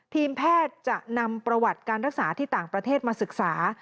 ทีมแพทย์จะนำประวัติการรักษาที่ต่างประเทศมาศึกษา